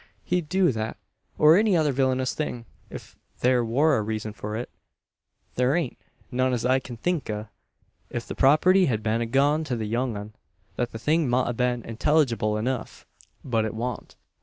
He'd do that, or any other villinous thing, ef there war a reezun for it. There ain't none as I kin think o'. Ef the property hed been a goin' to the young un, then the thing mout a been intellygible enuf. But it want.